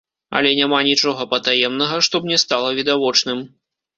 Але няма нічога патаемнага, што б не стала відавочным.